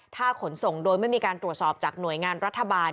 ถ้าขนส่งโดยไม่มีการตรวจสอบจากหน่วยงานรัฐบาล